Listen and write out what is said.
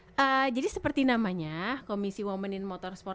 komisi women in motorsport jadi seperti namanya komisi women in motorsport